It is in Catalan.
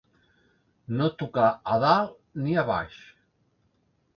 No tocar a dalt ni a baix.